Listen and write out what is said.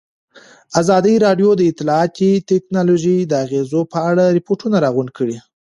ازادي راډیو د اطلاعاتی تکنالوژي د اغېزو په اړه ریپوټونه راغونډ کړي.